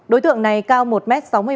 đối tượng này cao một m sáu mươi bảy